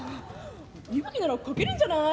「いぶきなら書けるんじゃない？」